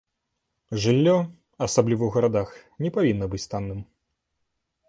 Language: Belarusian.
Жыллё, асабліва ў гарадах, не павінна быць танным.